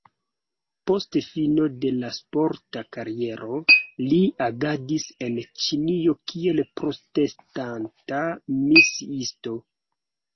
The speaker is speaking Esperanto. Post fino de la sporta kariero, li agadis en Ĉinio kiel protestanta misiisto.